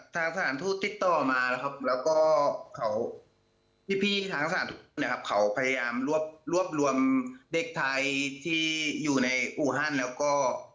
ทางสถานทูตติดต่อมาแล้วก็พี่ทางสถานทูตเนี่ยเขาพยายามรวบรวมเด็กไทยที่อยู่ในอู่ฮันแล้วก็